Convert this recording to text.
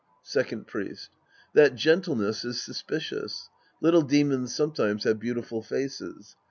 Second Priest. That gentleness is suspicious. Little demons sometimes have beautiful faces.